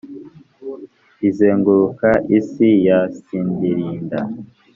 Izenguruka isi ya Sidirida